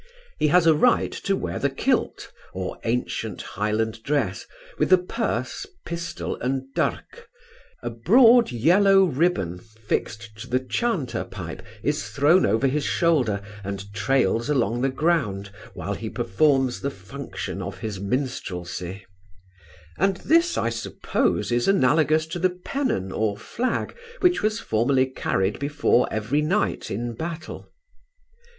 He has a right to wear the kilt, or ancient Highland dress, with the purse, pistol, and durk a broad yellow ribbon, fixed to the chanter pipe, is thrown over his shoulder, and trails along the ground, while he performs the function of his minstrelsy; and this, I suppose, is analogous to the pennon or flag which was formerly carried before every knight in battle.